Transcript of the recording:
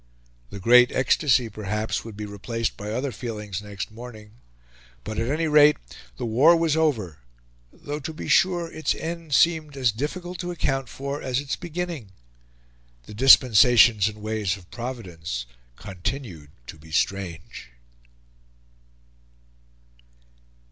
The "great ecstasy," perhaps, would be replaced by other feelings next morning; but at any rate the war was over though, to be sure, its end seemed as difficult to account for as its beginning. The dispensations and ways of Providence continued to be strange.